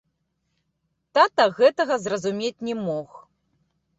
Тата гэтага зразумець не мог.